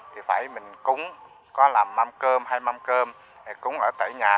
thì phải mình cúng có làm mắm cơm hay mắm cơm cúng ở tại nhà